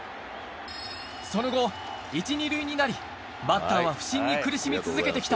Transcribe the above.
その後１・２塁になりバッターは不振に苦しみ続けてきた